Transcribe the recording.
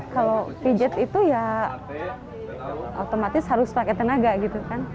kalau pijat itu ya otomatis harus pakai tenaga gitu kan